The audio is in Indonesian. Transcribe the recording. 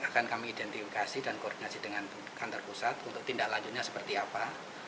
akan kami identifikasi dan koordinasi dengan kantor pusat untuk tindak lanjutnya seperti apa